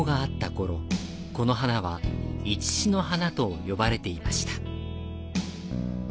この花は「いちしの花」と呼ばれていました。